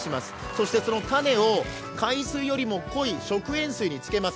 そして種を海水より濃い食塩水につけます。